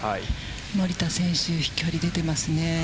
森田選手、飛距離が出ていますね。